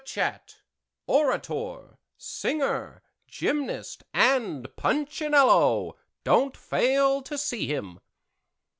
CHAT Orator, Singer, Gymnast and Punchinello! Don't fail to see him!